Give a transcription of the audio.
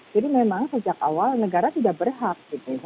jadi memang sejak awal negara tidak berhak